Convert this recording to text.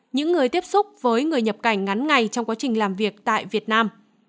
những người tiếp xúc với người nhập cảnh ngắn ngày trong quá trình làm việc tại việt nam